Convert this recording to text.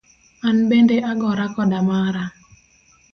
An bende agora koda mara.